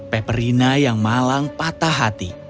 peperina yang malang patah hati